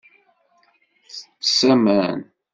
Tettess aman.